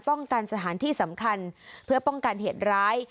สถานที่สำคัญเพื่อป้องกันเหตุร้าย